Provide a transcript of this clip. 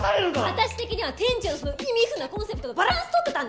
私的には店長のそのイミフなコンセプトとバランス取ってたんです！